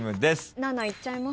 ７いっちゃいます？